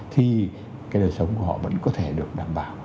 thì cái đời sống của họ vẫn có thể được đảm bảo